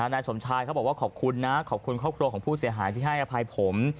นายสมชายเขาบอกว่าขอบคุณนะขอบคุณครอบครัวของผู้เสียหายที่ให้อภัยผม